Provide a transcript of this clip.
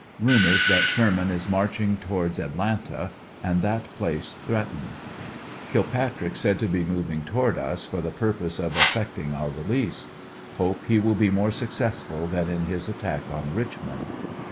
Rumors that Sherman is marching towards Atlanta, and that place threatened. Kilpatrick said to be moving toward us for the purpose of effecting our release. Hope he will be more successful than in his attack on Richmond.